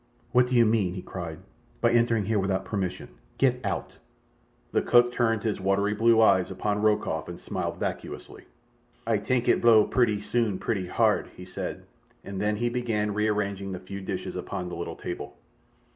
"What do you mean," he cried, "by entering here without permission? Get out!" The cook turned his watery blue eyes upon Rokoff and smiled vacuously. "Ay tank it blow purty soon purty hard," he said, and then he began rearranging the few dishes upon the little table.